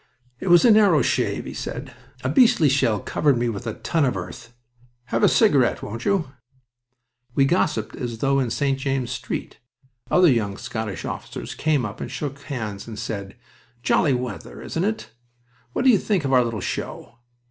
"It was a narrow shave," he said. "A beastly shell covered me with a ton of earth... Have a cigarette, won't you?" We gossiped as though in St. James's Street. Other young Scottish officers came up and shook hands, and said: "Jolly weather, isn't it? What do you think of our little show?"